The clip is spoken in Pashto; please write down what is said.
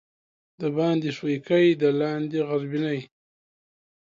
دباندي ښويکى، د لاندي غربينى.